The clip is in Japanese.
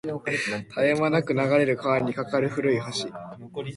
絶え間なく流れる川に架かる古い橋